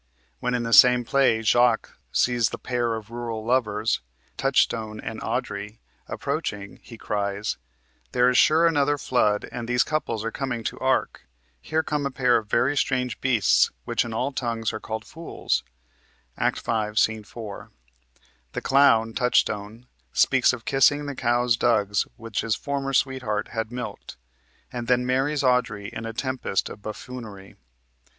When in the same play Jaques sees the pair of rural lovers, Touchstone and Audrey, approaching, he cries: "There is, sure, another flood, and these couples are coming to the ark! Here come a pair of very strange beasts, which in all tongues are called fools" (Act 5, Sc. 4). The clown, Touchstone, speaks of kissing the cow's dugs which his former sweetheart had milked, and then marries Audrey in a tempest of buffoonery.